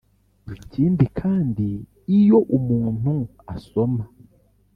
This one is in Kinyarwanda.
Ikindi kandi iyo umuntu asoma